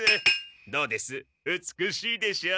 どうです美しいでしょう。